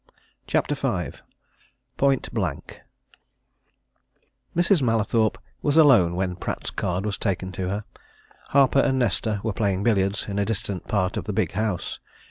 CHAPTER V POINT BLANK Mrs. Mallathorpe was alone when Pratt's card was taken to her. Harper and Nesta were playing billiards in a distant part of the big house.